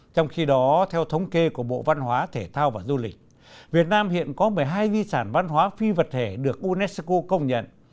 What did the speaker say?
trong khi đó theo thống kê của bộ văn hóa thể thao và du lịch việt nam hiện có một mươi hai di sản văn hóa phi vật thể được unesco công nhận